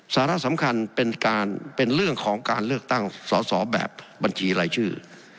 สาระสำคัญเป็นการเป็นเรื่องของการเลือกตั้งสอสอแบบบัญชีรายชื่อ